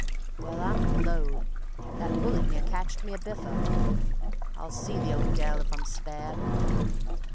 ... (Well, I'm blowed, That bullet near catched me a biffer) I'll see the old gel if I'm spared.